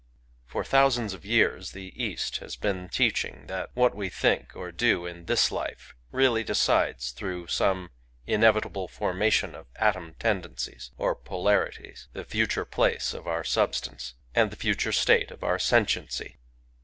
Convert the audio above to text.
For thousands of years the East has been teaching that what we think or do in this life really decides, — through some inevitable formation of atom tendencies, or polarities, — the future place of our substance,, and the future state of our sentiency.